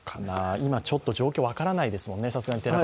今、ちょっと状況分からないですもんね。